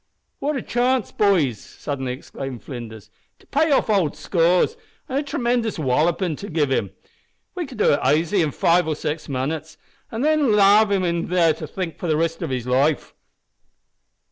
"What a chance, boys," suddenly exclaimed Flinders, "to pay off old scores with a tree mendous wallopin'! We could do it aisy in five or six minutes, an' then lave 'im to think over it for the rest of his life."